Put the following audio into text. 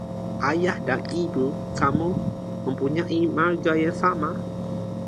Ayah dan Ibu kamu mempunyai marga yang sama?